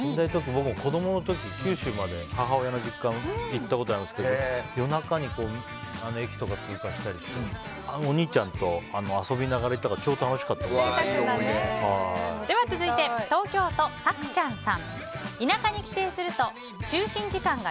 僕も子供の時、九州まで母親の実家に行ったことあるんですけど夜中に駅とか通過したりしてお兄ちゃんと遊びながら行ったので続いて、東京都の方。